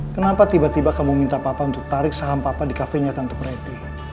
kenapa tiba tiba kamu minta papa untuk tarik saham papa di kafenya tante preti